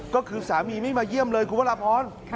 ก็คือสามีไม่มาเยี่ยมเลยคุณพระราพร